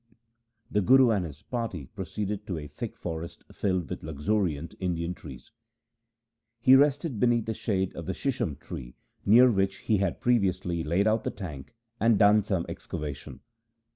The Guru and his party proceeded to a thick forest filled with luxuriant Indian trees. He rested beneath the shade of the shisham tree near which he had previously laid out the tank and done some excavation.